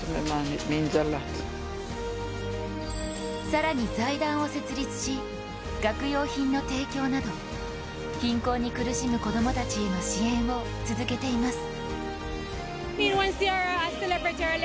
更に財団を設立し、学用品の提供など貧困に苦しむ子供たちへの支援を続けています。